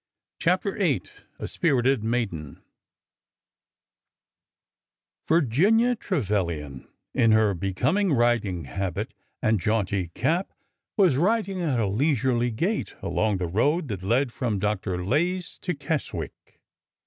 CHAPTER VIII A SPIRITED MAIDEN IRGINIA TREVILIAN, in her becoming riding V habit and jaunty cap, was riding at a leisurely gait along the road that led from Dr. Lay's to Keswick.